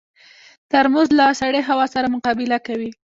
ترموز له سړې هوا سره مقابله کوي.